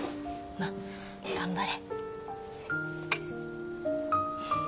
まあ頑張れ。